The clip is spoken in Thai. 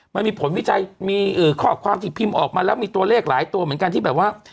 มันมีผลวิจัยมีข้อความที่พิมพ์ออกมาแล้วมีตัวเลขหลายตัวเหมือนกันที่แบบว่า